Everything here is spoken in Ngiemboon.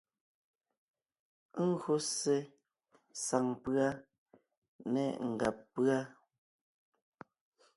E gÿo ssé saŋ pʉ́a né ngàb pʉ́a.